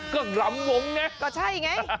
ก็หลำวงไงก็ใช่ไง